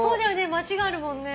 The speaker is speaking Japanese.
マチがあるもんね。